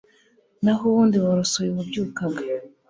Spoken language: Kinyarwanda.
nahubundi worosoye uwabyukaga